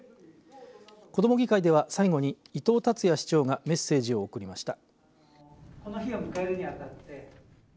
子ども議会では最後に伊藤辰矢市長がメッセージを送りました。